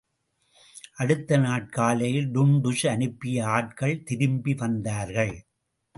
அடுத்த நாட்காலையில் டுண்டுஷ் அனுப்பிய ஆட்கள் திரும்பி வந்தார்கள்.